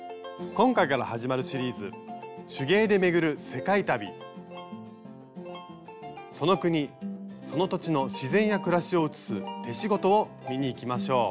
今回から始まるシリーズその国その土地の自然や暮らしをうつす手仕事を見にいきましょう。